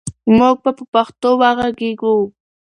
موږ به په پښتو وغږېږو.